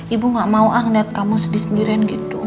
ibu gak mau ang liat kamu sedih sendirian gitu